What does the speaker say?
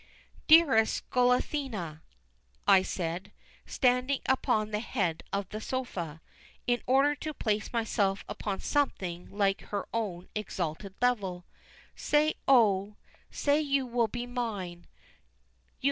"Dearest Goliathina," I said, standing upon the head of the sofa, in order to place myself upon something like her own exalted level, "say, oh, say you will be mine.